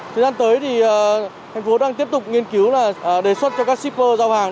thời gian tới thành phố đang tiếp tục nghiên cứu đề xuất cho các shipper giao hàng